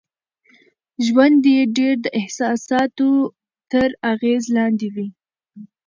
ژوند يې ډېر د احساساتو تر اغېز لاندې وي.